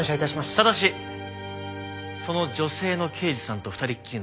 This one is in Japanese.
ただしその女性の刑事さんと２人きりなら。